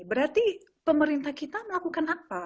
berarti pemerintah kita melakukan apa